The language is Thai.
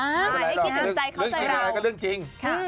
ไม่เป็นไรเราก็ลืมจริง